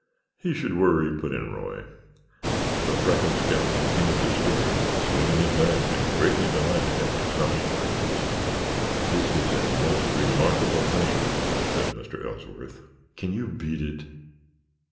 "He should worry," put in Roy. The freckled scout continued his story, swinging his legs and greatly delighted at the astonishment of his listeners. "This is a most remarkable thing," said Mr. Ellsworth. "Can you beat it!